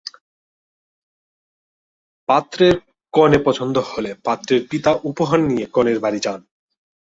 পাত্রের কনে পছন্দ হলে পাত্রের পিতা উপহার নিয়ে কনের বাড়ি যান।